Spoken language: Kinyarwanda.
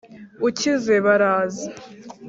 Ukize baraza.